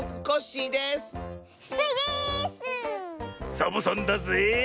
サボさんだぜえ！